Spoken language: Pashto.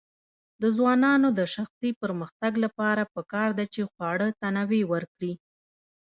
د ځوانانو د شخصي پرمختګ لپاره پکار ده چې خواړه تنوع ورکړي.